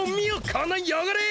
このよごれ！